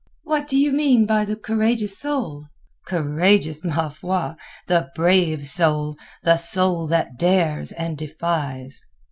"What do you mean by the courageous soul?" "Courageous, ma foi! The brave soul. The soul that dares and defies."